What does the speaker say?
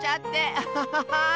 アハハハー！